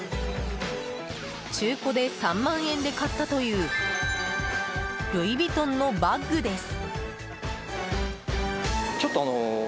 中古で３万円で買ったというルイ・ヴィトンのバッグです。